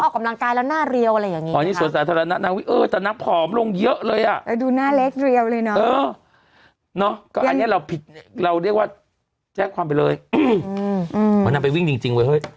ออกกำลังการแล้วหน้าเรียวอะไรอย่างนี้